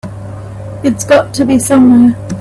It's got to be somewhere.